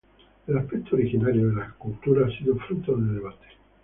El aspecto originario de la escultura ha sido fruto de debate.